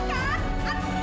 pergi mbak juli